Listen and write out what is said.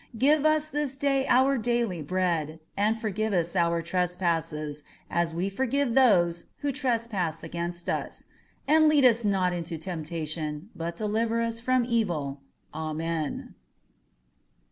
Give us this day our daily bread; and forgive us our trespasses as we forgive those who trespass against us: and lead us not into temptation, but deliver us from evil. Amen.